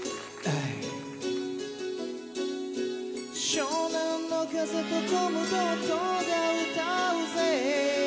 湘南乃風とコムドットが歌うぜ。